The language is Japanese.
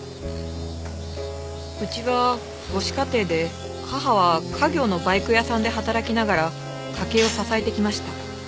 うちは母子家庭で母は家業のバイク屋さんで働きながら家計を支えてきました。